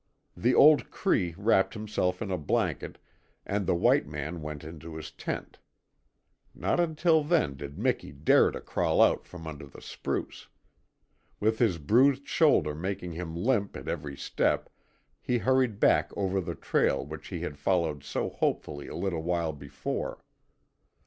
The old Cree wrapped himself in a blanket, and the white man went into his tent. Not until then did Miki dare to crawl out from under the spruce. With his bruised shoulder making him limp at every step he hurried back over the trail which he had followed so hopefully a little while before.